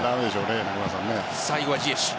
最後はジエシュ。